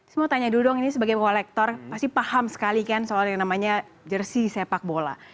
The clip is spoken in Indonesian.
saya mau tanya dulu dong ini sebagai kolektor pasti paham sekali kan soal yang namanya jersi sepak bola